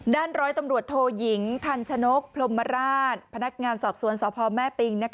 ร้อยตำรวจโทยิงทันชนกพรมราชพนักงานสอบสวนสพแม่ปิง